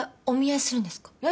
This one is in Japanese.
お見合いするんですか？